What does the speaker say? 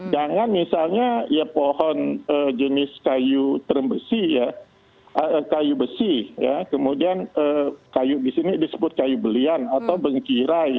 jangan misalnya ya pohon jenis kayu term besi ya kayu besi kemudian kayu di sini disebut kayu belian atau bengkirai